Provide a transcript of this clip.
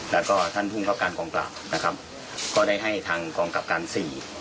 และท่านผู้ครับการกองปราบก็ได้ให้ทางกองกรับการสี่